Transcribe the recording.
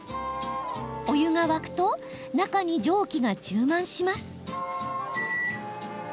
お湯が沸くと中に蒸気が充満します。